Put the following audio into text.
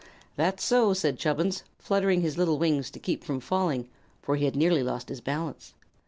"That's so," said Chubbins, fluttering his little wings to keep from falling, for he had nearly lost his balance.